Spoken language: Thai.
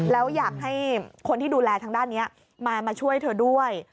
แล้วอยากให้คนที่ดูแลทางด้านนี้มาช่วยเธอด้วย